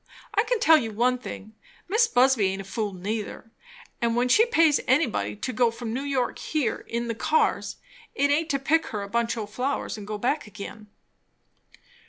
I can tell you one thing. Mis' Busby aint a fool neither; and when she pays anybody to go from New York here in the cars, it aint to pick her a bunch o' flowers and go back again."